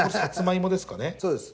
そうです